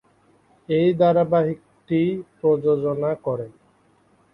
এই ধারাবাহিকটি প্রযোজনা করে।